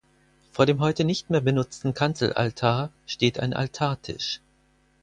Vor dem heute nicht mehr benutzten Kanzelaltar steht ein Altartisch.